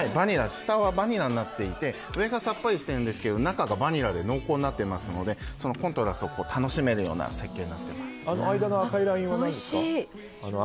下はバニラになっていて上がさっぱりしているんですけど下がバニラで濃厚としているんですがコントラストを楽しめるような設計になっています。